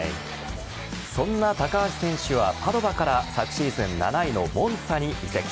そんな高橋選手はパドバから昨シーズン７位のモンツァに移籍。